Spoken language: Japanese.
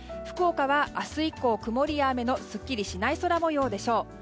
福岡は明日以降、曇りや雨のすっきりしない空模様でしょう。